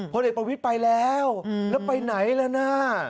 เด็กประวิทย์ไปแล้วแล้วไปไหนล่ะนะ